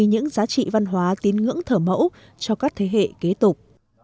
những giá trị văn hóa tín ngưỡng thở mẫu cho các thế hệ kế tục